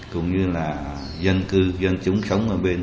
cũng như là dân chứng sống ở bên